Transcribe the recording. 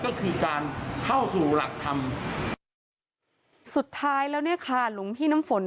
ก็คือการเข้าสู่หลักธรรมสุดท้ายแล้วเนี่ยค่ะหลวงพี่น้ำฝน